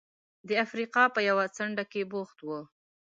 د افریقا په یوه څنډه کې بوخت و.